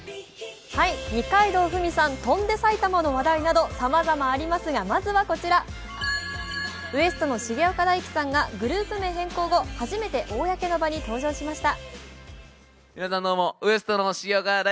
二階堂ふみさん、「翔んで埼玉」の話題などさまざまありますがまずはこちら、ＷＥＳＴ．の重岡大毅さんがグループ名変更後、初めて公の場に登場しました。